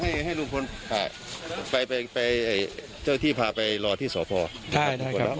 ให้ให้ลูกคนค่ะไปไปไปเจ้าที่พาไปรอที่สอพอได้ได้ครับ